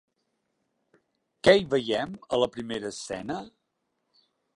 Què hi veiem a la primera escena?